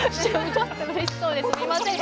ちょっとうれしそうですみません。